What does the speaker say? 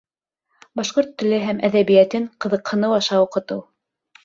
Башҡорт теле һәм әҙәбиәтен ҡыҙыҡһыныу аша уҡытыу